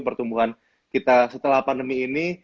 pertumbuhan kita setelah pandemi ini